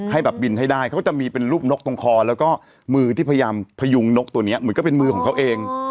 ให้แบบบินให้ได้เขาจะมีเป็นรูปนกตรงคอแล้วก็มือที่พยายามพยุงนกตัวนี้เหมือนก็เป็นมือของเขาเอง